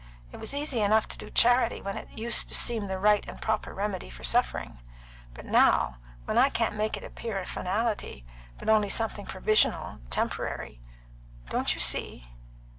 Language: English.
It was easy enough to do charity when it used to seem the right and proper remedy for suffering; but now, when I can't make it appear a finality, but only something provisional, temporary Don't you see?"